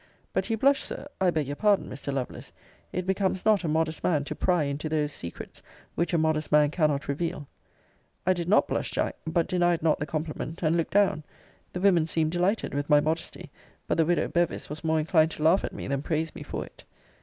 But you blush, Sir I beg your pardon, Mr. Lovelace: it becomes not a modest man to pry into those secrets, which a modest man cannot reveal. I did not blush, Jack; but denied not the compliment, and looked down: the women seemed delighted with my modesty: but the widow Bevis was more inclined to laugh at me than praise me for it.